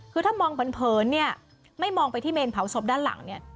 คือถ้ามองเผินเนี่ยไม่มองไปที่เมนเผาศพด้านหลังเนี่ย